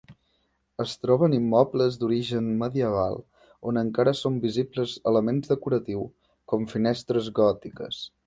Es troben immobles d'origen medieval on encara són visibles elements decoratius com finestres gòtiques.